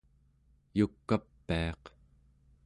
yuk'apiaq